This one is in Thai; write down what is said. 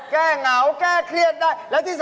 แก้เหงาแก้เครียดได้